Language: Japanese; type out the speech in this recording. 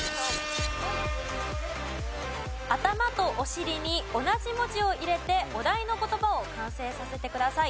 頭とお尻に同じ文字を入れてお題の言葉を完成させてください。